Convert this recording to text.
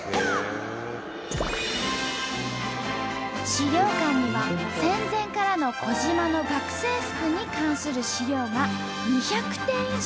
資料館には戦前からの児島の学生服に関する資料が２００点以上。